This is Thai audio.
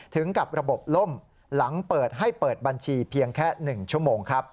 ถึงกับระบบล่มหลังเปิดให้เปิดบัญชีเพียงแค่๑ชั่วโมงครับ